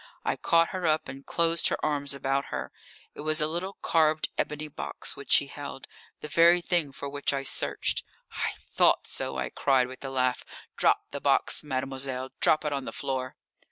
I caught her up and closed my arms about her. It was a little carved ebony box which she held, the very thing for which I searched. "I thought so," I cried, with a laugh. "Drop the box, mademoiselle. Drop it on the floor!"